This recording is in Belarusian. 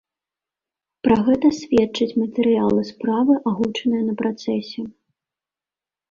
Пра гэта сведчаць матэрыялы справы, агучаныя на працэсе.